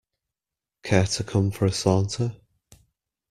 Care to come for a saunter?